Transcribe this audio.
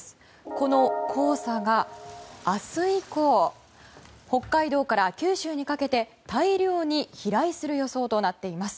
この黄砂が明日以降北海道から九州にかけて大量に飛来する予想となっています。